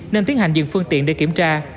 nên tiến hành dừng phương tiện để kiểm tra